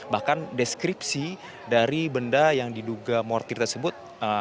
bahkan deskripsi dari benda yang diduga mortir tersebut